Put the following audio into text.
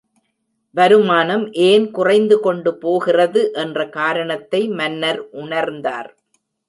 வருமானம் ஏன் குறைந்து கொண்டு போகிறது என்ற காரணத்தை மன்னர் உணர்ந்தார்.